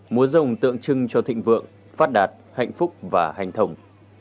múa rồng tượng trưng cho thịnh vượng phát đạt hạnh phúc và hành thông